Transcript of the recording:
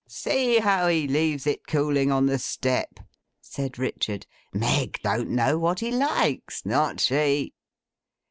'See how he leaves it cooling on the step!' said Richard. 'Meg don't know what he likes. Not she!